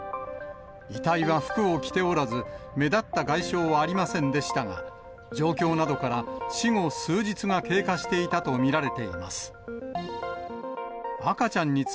遺体が服を着ておらず、目立った外傷はありませんでしたが、状況などから、死後数日が経過していたと見られています。